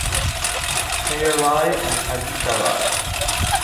Pei’erlai and Kasitailai.